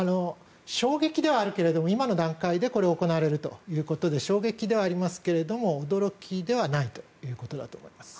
衝撃ではあるけども今の段階でこれが行われるということで衝撃ではありますが驚きではないということだと思います。